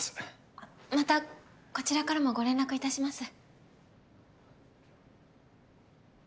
あっまたこちらからもご連絡いたします。